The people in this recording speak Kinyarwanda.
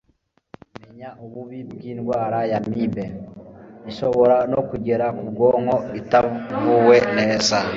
Menya ububi bw'indwara ya Amibe , ishobora no kugera ku bwonko itavuwe nez